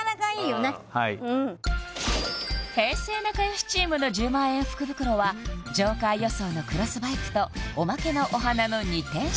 はいうん平成なかよしチームの１０万円福袋はＪＯＫＥＲ予想のクロスバイクとおまけのお花の２点勝負